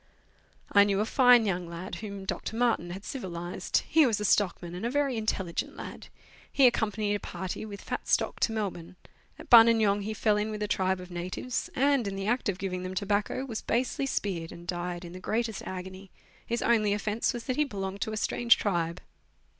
I knew a fine young lad whom Dr. Martin had civilized ; he was a stockman, and a very intelligent lad. He accompanied a party with fat stock to Melbourne ; at Buninyong he fell in with a tribe of natives, and, in the act of giving them tobacco, was basely speared, and died in the greatest agony. His only offence was that he belonged to a strange tribe.